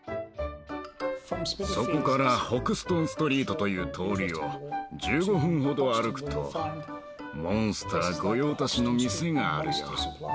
そこからＨｏｘｔｏｎＳｔｒｅｅｔという通りを１５分ほど歩くとモンスター御用達の店があるよ。